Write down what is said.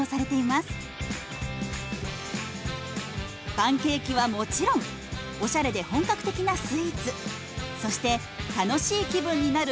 パンケーキはもちろんおしゃれで本格的なスイーツそして楽しい気分になる